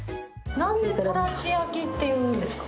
なんで「たらし焼き」っていうんですか？